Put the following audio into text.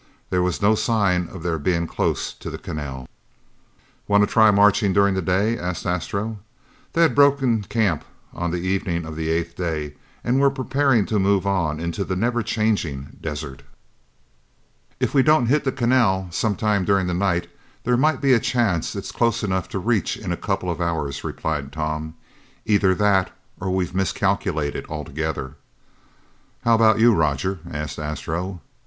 There was no sign of their being close to the canal. "Wanta try marching during the day?" asked Astro. They had broken camp on the evening of the eighth day and were preparing to move on into the never changing desert. "If we don't hit the canal sometime during the night, there might be a chance it's close enough to reach in a couple of hours," replied Tom. "Either that, or we've miscalculated altogether." "How about you, Roger?" asked Astro.